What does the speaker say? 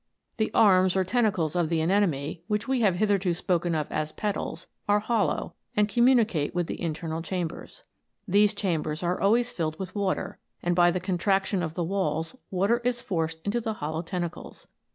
The arms or tentacles of the anemone, which we have hitherto spoken of as petals, are hollow, and communicate with the in ternal chambers. These chambers are always filled with water, and by the contraction of the walls, water is forced into the hollow tentacles.